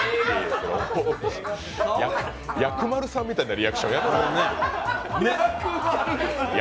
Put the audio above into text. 薬丸さんみたいなリアクションやめて。